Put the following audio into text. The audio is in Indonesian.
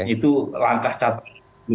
itu langkah catat